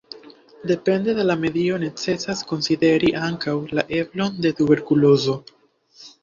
Depende de la medio necesas konsideri ankaŭ la eblon de tuberkulozo.